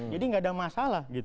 jadi nggak ada masalah gitu